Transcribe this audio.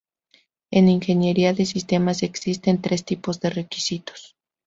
En ingeniería de sistemas existen tres tipos de requisitos.